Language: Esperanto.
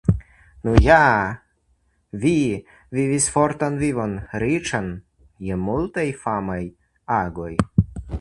Nu ja, vi vivis fortan vivon, riĉan je multaj famaj agoj.